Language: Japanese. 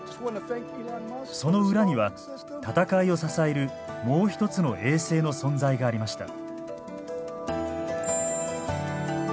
その裏には戦いを支えるもう一つの衛星の存在がありました。